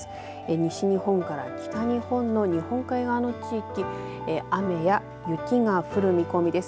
西日本から北日本の日本海側の地域雨や雪が降る見込みです。